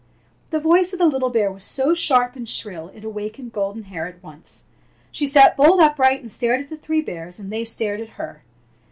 The voice of the little bear was so sharp and shrill it awakened Golden Hair at once. She sat bolt upright and stared at the three bears, and they stared at her.